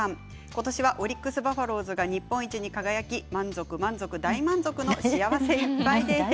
今年はオリックス・バファローズが日本一に輝き満足満足、大満足の幸せいっぱいです。